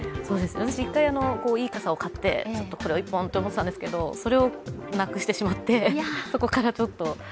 私１回、いい傘を買ってこれを１本と思ってたんですがそれをなくしてしまって、そこからちょっと。